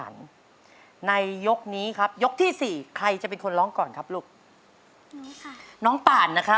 แม้จะเหนื่อยหล่อยเล่มลงไปล้องลอยผ่านไปถึงเธอ